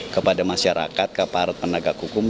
kepada masyarakat kepada para penagak hukum